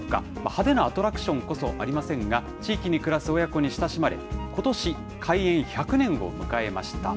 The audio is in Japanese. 派手なアトラクションこそありませんが、地域に暮らす親子に親しまれ、ことし開園１００年を迎えました。